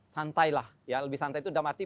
santai lah ya lebih santai itu dalam arti